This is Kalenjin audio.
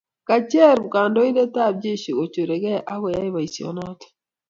Kacheer kindoindetab jeshi kucherugei akoyai boisionoto.